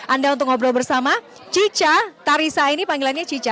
anda untuk ngobrol bersama cica tarisa ini panggilannya cica